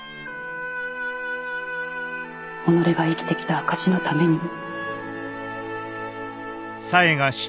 己が生きてきた証しのためにも。